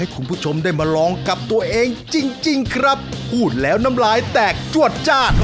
คุณผู้ชมได้มาลองกับตัวเองจริงจริงครับพูดแล้วน้ำลายแตกจวดจ้าน